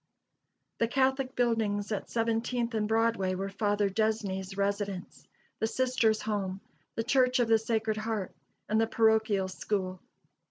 The Catholic buildings at Seventeenth and Broadway were Father Desney's residence, the Sisters' Home, the Church of the Sacred Heart, and the parochial school.